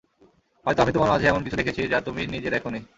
হয়তো আমি তোমার মাঝে এমন কিছু দেখেছি, যা তুমি নিজে দেখোনি।